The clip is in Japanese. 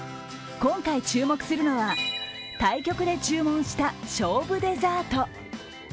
今回、注目するのは対局で注文した勝負デザート。